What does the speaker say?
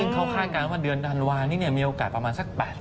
เขาคาดการณ์ว่าเดือนธันวานี้มีโอกาสประมาณสัก๘๐